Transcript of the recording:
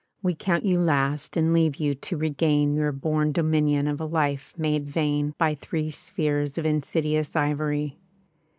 We count you last and leave you to regain Your bom dominion of a life made vain By three spheres of insidious ivory.